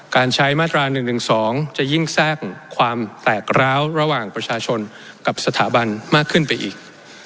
การใช้มาตรา๑๑๒จะยิ่งแทรกความแตกร้าวระหว่างประชาชนกับสถาบันมากขึ้นไปอีก